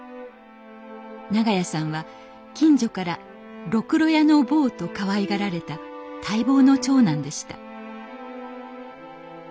長屋さんは近所から「ろくろ屋の坊」とかわいがられた待望の長男でした